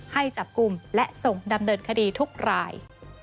ให้จับกลุ่มและส่งดำเนินคดีทุกราย